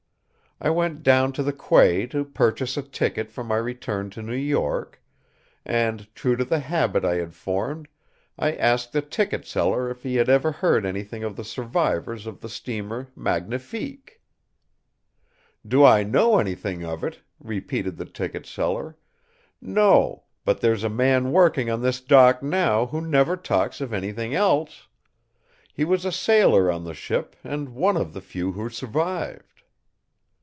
I went down to the quay to purchase a ticket for my return to New York, and, true to the habit I had formed, I asked the ticket seller if he had ever heard anything of the survivors of the steamer Magnifique. "'Do I know anything of it?' repeated the ticket seller. 'No, but there's a man working on this dock now who never talks of anything else. He was a sailor on the ship and one of the few who survived.'